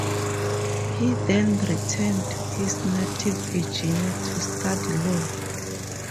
He then returned to his native Virginia to study law.